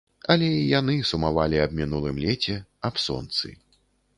Але і яны сумавалі аб мінулым леце, аб сонцы.